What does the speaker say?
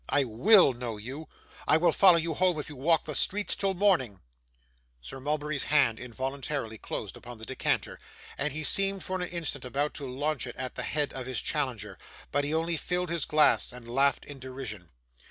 I WILL know you; I will follow you home if you walk the streets till morning.' Sir Mulberry's hand involuntarily closed upon the decanter, and he seemed for an instant about to launch it at the head of his challenger. But he only filled his glass, and laughed in derision.